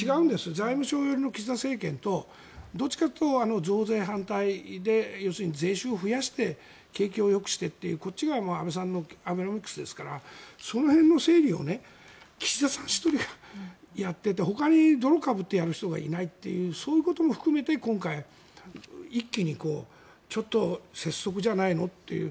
財務省寄りの岸田政権とどっちかというと増税反対で要するに税収を増やして景気をよくしてというこっちが安倍さんのアベノミクスですからその辺の整理を岸田さん１人がやっててほかに泥をかぶってやる人がいないというそういうことも含めて今回、一気にちょっと拙速じゃないのという。